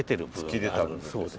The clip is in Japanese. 突き出てるんですね。